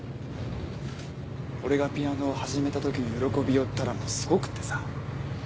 俺がピアノを始めた時の喜びようったらもうすごくってさ。